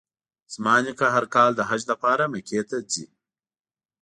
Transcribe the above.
زما نیکه هر کال د حج لپاره مکې ته ځي.